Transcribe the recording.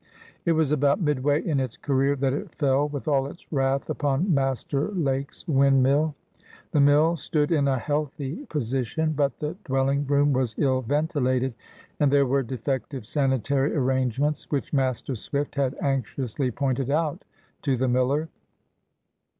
It was about midway in its career that it fell with all its wrath upon Master Lake's windmill. The mill stood in a healthy position, but the dwelling room was ill ventilated, and there were defective sanitary arrangements, which Master Swift had anxiously pointed out to the miller.